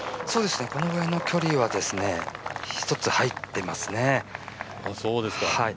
このぐらいの距離は１つ入ってますね。